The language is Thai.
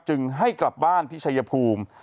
จึงให้กลับบ้านที่เชยภูมิ